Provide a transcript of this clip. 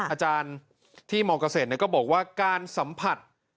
อาจารย์ที่มเกษตรก็บอกว่าการสัมผัส